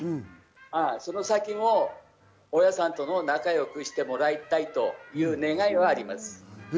その先も大家さんと仲良くしてもらいたいという願いはあります。